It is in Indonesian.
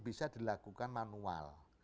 bisa dilakukan manual